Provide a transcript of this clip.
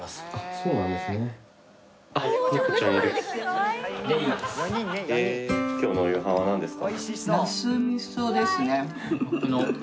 そうなんですか。